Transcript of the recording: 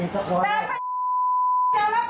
จากมันฟาต์